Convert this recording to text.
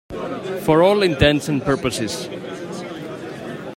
For all intents and purposes.